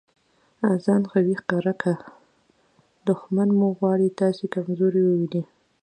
ځان قوي ښکاره که! دوښمن مو غواړي تاسي کمزوری وویني.